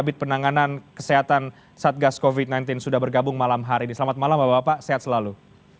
kabit penanganan kesehatan satgas covid sembilan belas sudah bergabung malam hari ini selamat malam bapak bapak sehat selalu